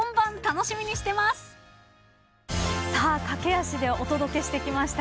さあ駆け足でお届けしてきました。